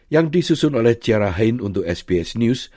yang disusun oleh ciara hein untuk sbs news